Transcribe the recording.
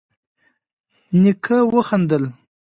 نيکه وخندل: